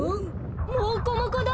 モコモコだ！